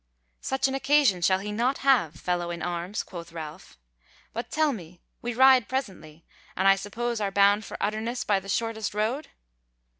"Such an occasion shall he not have, fellow in arms," quoth Ralph. "But tell me, we ride presently, and I suppose are bound for Utterness by the shortest road?"